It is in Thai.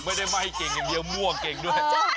ไม่ได้ไม่ให้เก่งอย่างเดียวมั่วเก่งด้วย